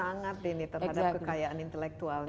ya karena mereka sangat ini terhadap kekayaan intelektualnya